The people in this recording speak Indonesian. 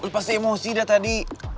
pasti emosi dah tadi